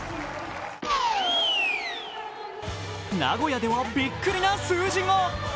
名古屋でも、びっくりな数字が。